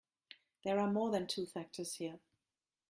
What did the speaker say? There are more than two factors here.